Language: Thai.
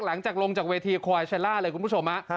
หลังจากลงจากเวทีควายชะล่าเลยคุณผู้ชม